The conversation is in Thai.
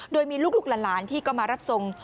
โดยมีลูกหลานที่ก็มารับทรง